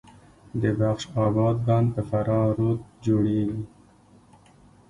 د بخش اباد بند په فراه رود جوړیږي